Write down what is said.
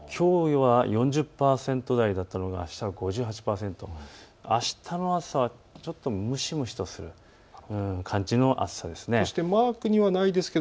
きょうは４０％台だったのがあしたは５８％、あしたの朝はちょっと蒸し蒸しとする感じの暑さです。